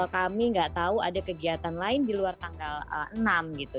kami nggak tahu ada kegiatan lain di luar tanggal enam gitu